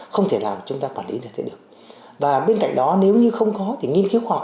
không thể nào chúng ta quản lý như thế được và bên cạnh đó nếu như không khó thì nghiên cứu khoa học